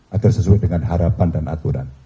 agar sesuai dengan harapan dan aturan